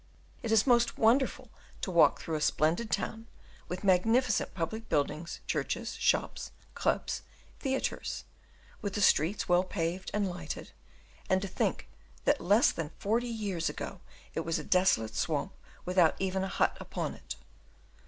It is most wonderful to walk through a splendid town, with magnificent public buildings, churches, shops, clubs, theatres, with the streets well paved and lighted, and to think that less than forty years ago it was a desolate swamp without even a hut upon it.